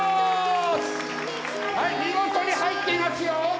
はい見事に入っていますよ！